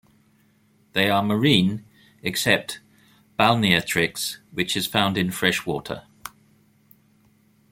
They are marine, except "Balneatrix" which is found in fresh water.